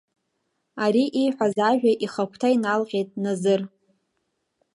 Ари ииҳәаз ажәа ихагәҭа иналҟьеит Назыр.